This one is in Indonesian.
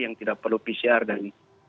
yang tidak perlu pcr dan